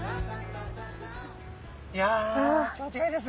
いや気持ちがいいですね